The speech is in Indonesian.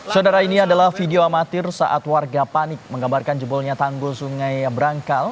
saudara ini adalah video amatir saat warga panik menggambarkan jebolnya tanggul sungai berangkal